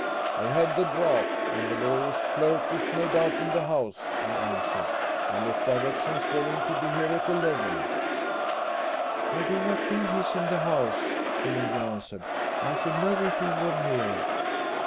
"I have the draft and the lawyer's clerk is no doubt in the house," he answered. "I left directions for him to be here at eleven." "I do not think he is in the house," the lady answered. "I should know if he were here."